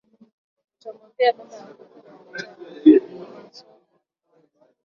Uta mwambia baba akupe makuta ya kumasomo